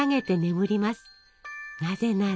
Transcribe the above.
なぜなら。